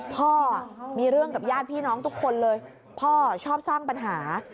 พ่อมีเรื่องกับญาติพี่น้องทุกคนเลยพ่อชอบสร้างปัญหา